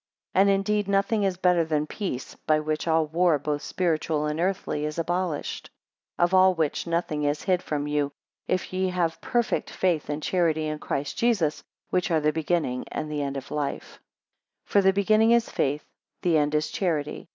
12 And indeed, nothing is better than peace, by which all war both spiritual and earthly is abolished. 13 Of all which, nothing is hid from you, if ye have perfect faith and charity in Christ Jesus, which are the beginning and end of life. 14 For the beginning is faith; the end is charity.